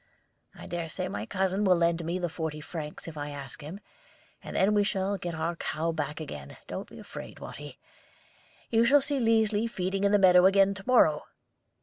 I dare say my cousin will lend me the forty francs if I ask him, and then we shall get our cow back again. Don't be afraid, Watty. You shall see Liesli feeding in the meadow again to morrow."